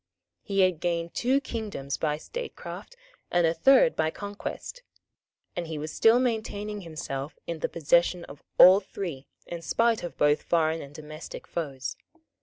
He had gained two kingdoms by statecraft, and a third by conquest; and he was still maintaining himself in the possession of all three in spite of both foreign and domestic foes.